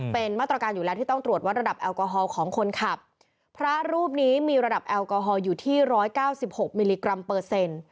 เป็นมาตรการอยู่แล้วที่ต้องตรวจวัดระดับแอลกอฮอล์ของคนขับพระรูปนี้มีระดับแอลกอฮอลอยู่ที่ร้อยเก้าสิบหกมิลลิกรัมเปอร์เซ็นต์